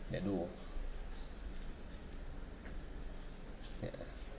เดี๋ยวดู